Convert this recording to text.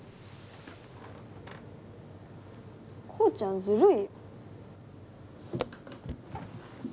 こうちゃんずるい。